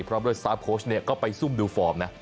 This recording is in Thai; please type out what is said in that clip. พร้อมด้วยสตาร์ฟโค้ชเนี่ยก็ไปซุ่มดูฟอร์มนะ